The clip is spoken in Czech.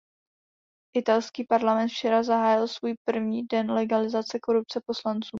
Italský parlament včera zahájil svůj první den legalizace korupce poslanců.